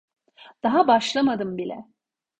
Daha başlamadım bile.